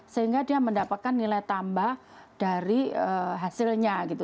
sehingga dia mendapatkan nilai tambah dari hasilnya gitu